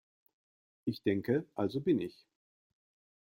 Ich denke, also bin ich.